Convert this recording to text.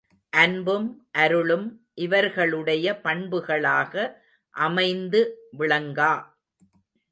அன்பும் அருளும் இவர்களுடைய பண்புகளாக அமைந்து விளங்கா.